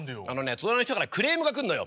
隣の人からクレームが来んのよ。